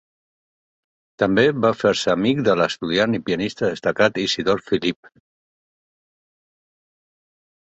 També va fer-se amic de l'estudiant i pianista destacat Isidor Philipp.